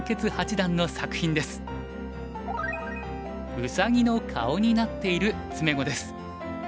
うさぎの顔になっている詰碁です。